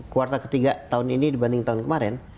kuartal ketiga tahun ini dibanding tahun kemarin